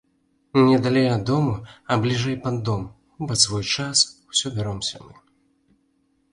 Не далей ад дому, а бліжэй пад дом, пад свой час, усё бяромся мы.